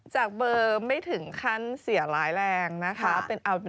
จากเบอร์ไม่ถึงขั้นเสียร้ายแรงนะคะ